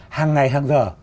hàng ngày hàng giờ